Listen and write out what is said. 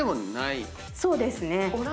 そうですね。